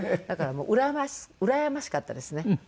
だからうらやましかったですね。